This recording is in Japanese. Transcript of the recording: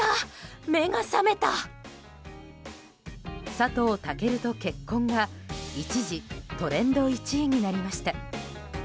「佐藤健と結婚」が一時トレンド１位になりました。